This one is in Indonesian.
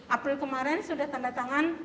april kemarin sudah tanda tangan